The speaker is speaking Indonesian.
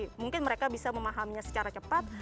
ada variasi mungkin mereka bisa memahaminya secara cepat